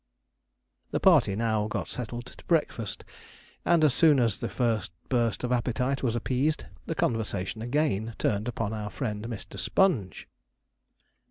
The party now got settled to breakfast, and as soon as the first burst of appetite was appeased, the conversation again turned upon our friend Mr. Sponge.